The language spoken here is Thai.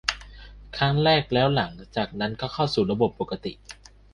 ครั้งแรก แล้วหลังจากนั้นก็จะเข้าสู่ระบบปกติ